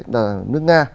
là nước nga